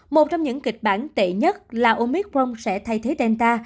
một trong những kịch bản tệ nhất là omicron sẽ thay thế tenta